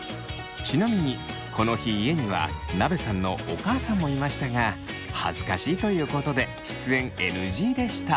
ちなみにこの日家にはなべさんのお母さんもいましたが恥ずかしいということで出演ＮＧでした。